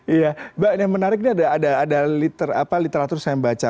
iya mbak yang menarik ini ada literatur saya yang baca